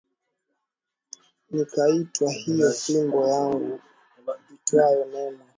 Nikaitwa hiyo fimbo yangu iitwayo Neema nikaikata vipande viwili ili nipate kulivunja agano langu